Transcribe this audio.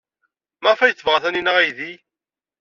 Maɣef ay tebɣa Taninna aydi?